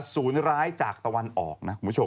อสูรร้ายจากตะวันออก